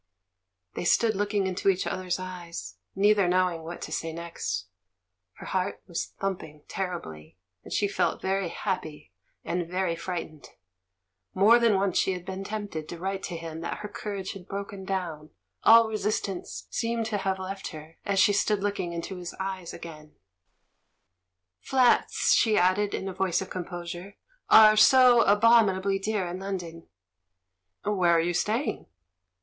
They stood looking into each other's eyes, neither knowing what to say next. Her heart was thumping terribly, and she felt very happy and very frightened. ]\Iore than once she had been tempted to write to him that her courage had broken down; all resistance seemed to have left her as she stood looking into his eyes again. 242 THE MAN WHO UNDERSTOOD WOMEN "Flats," she added in a voice of composure, "are so abominably dear in London." "Where are you staying?"